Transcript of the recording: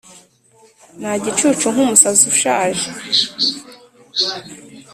nta gicucu nkumusazi ushaje